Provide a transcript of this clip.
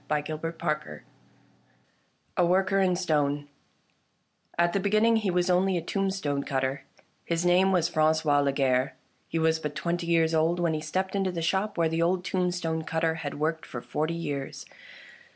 A WORKER IN STONE A WORKER IN STONE A T the beginning he was only a tombstone cutter. '^^ His name was Franqois Lagarre. He was but twenty years old when he stepped into the shop where the old tombstone cutter had worked for forty years.